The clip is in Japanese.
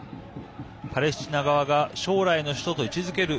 パレスチナ側が将来の首都と位置づける